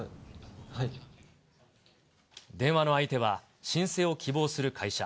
電話の相手は申請を希望する会社。